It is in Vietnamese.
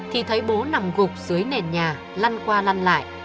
thì thấy bố nằm gục dưới nền nhà lăn qua lăn lại